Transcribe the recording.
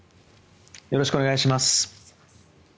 よろしくお願いします。